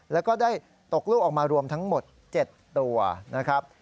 แล้วก็ได้ตกลูกออกมารวมทั้งหมด๗ตัวนะครับ